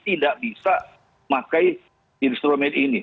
tidak bisa pakai instrumen ini